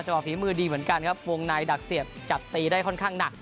ฝีมือดีเหมือนกันครับวงในดักเสียบจับตีได้ค่อนข้างหนัก